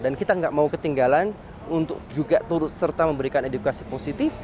dan kita tidak mau ketinggalan untuk juga turut serta memberikan edukasi positif